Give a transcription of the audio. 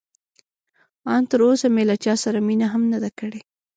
ان تراوسه مې له چا سره مینه هم نه ده کړې.